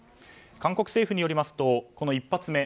韓国政府によりますと、１発目。